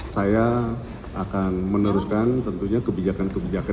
saya akan meneruskan tentunya kebijakan kebijakan